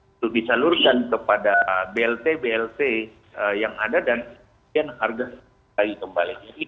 untuk disalurkan kepada blt blt yang ada dan harga bayi kembali